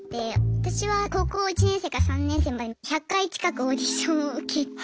私は高校１年生から３年生まで１００回近くオーディションを受けて。